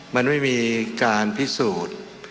มันไม่มีการพิสูจน์